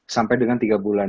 sampai dengan tiga bulan